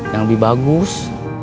yang lebih bagus